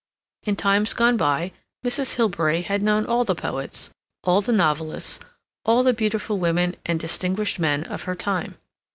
In times gone by, Mrs. Hilbery had known all the poets, all the novelists, all the beautiful women and distinguished men of her time.